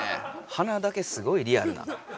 はなだけすごいリアルな。